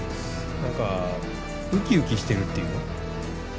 何かうきうきしてるっていうの？